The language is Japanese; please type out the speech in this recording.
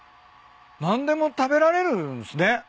何でも食べられるんすね。